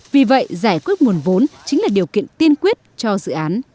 vì vậy giải quyết nguồn vốn chính là điều kiện tiên quyết cho dự án